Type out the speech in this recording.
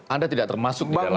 anda tidak termasuk di dalam